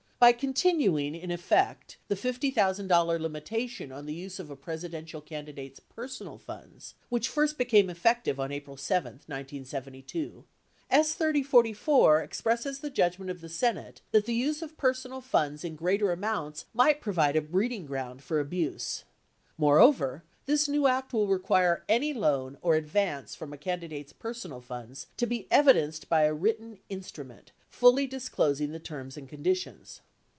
By continuing in effect the $50,000 limitation on the use of a Presidential candidate's personal funds — which first became effective on April 7, 1972 — S. 3044 expresses the judgment of the Senate that the use of personal funds in greater amounts might provide a breeding ground for abuse. Moreover, this new Act will require any loan or advance from a candidate's personal funds to be evidenced by a written instrument fully disclosing the terms and conditions.